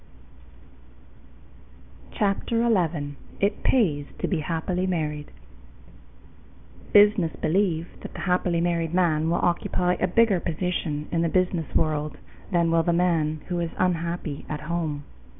Dickinson_ CHAPTER ELEVEN It Pays to be Happily Married Business believe that the happily married man will occupy a bigger position in the business world than will the man who is unhappy at home.